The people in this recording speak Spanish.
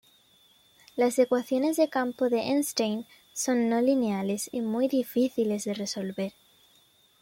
Las ecuaciones de campo de Einstein son no lineales y muy difíciles de resolver.